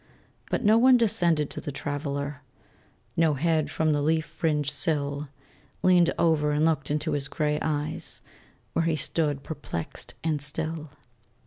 But no one descended to the Traveler; No head from the leaf fringed sill Leaned over and looked into his gray eyes, Where he stood perplexed and still.